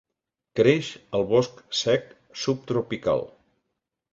Creix al bosc sec subtropical.